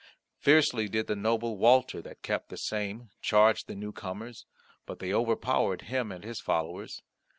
Fiercely did the noble Walter that kept the same charge the newcomers, but they overpowered him and his followers.